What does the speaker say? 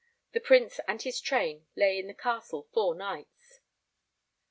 The Prince and his train lay in the Castle four nights.